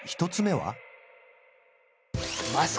１つ目は？